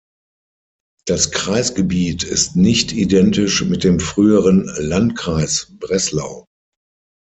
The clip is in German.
Das Kreisgebiet ist nicht identisch mit dem früheren Landkreis Breslau.